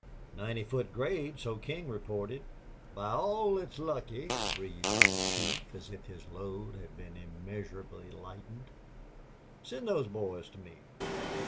"Ninety foot grade, so King reported." "By all that's lucky!" breathed the chief, as if his load had been immeasurably lightened. "Send those boys to me."